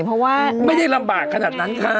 เพราะว่าแน็กคือไงไม่ได้ลำบากขนาดนั้นค่ะ